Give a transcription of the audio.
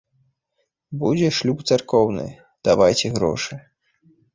Будзе шлюб царкоўны, давайце грошы.